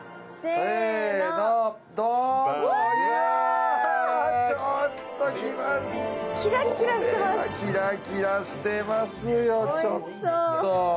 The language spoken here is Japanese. これはキラキラしてますよちょっと。